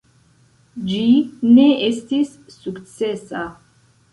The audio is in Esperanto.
Ĝi ne estis sukcesa.